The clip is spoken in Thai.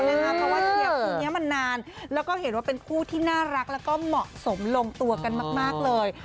เพราะว่าเชียร์คู่นี้มันนานแล้วก็เห็นว่าเป็นคู่ที่น่ารักแล้วก็เหมาะสมลงตัวกันมากเลย